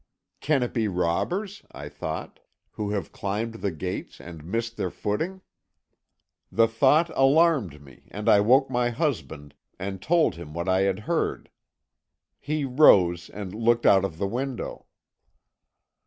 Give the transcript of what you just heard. "'Can it be robbers,' I thought, 'who have climbed the gates, and missed their footing?' "The thought alarmed me, and I woke my husband, and told him what I had heard. He rose, and looked out of the window.